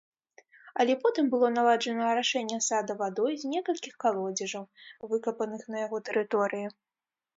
Але потым было наладжана арашэнне сада вадой з некалькіх калодзежаў, выкапаных на яго тэрыторыі.